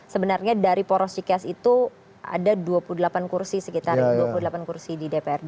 sebenarnya dari poros cikeas itu ada dua puluh delapan kursi sekitar dua puluh delapan kursi di dprd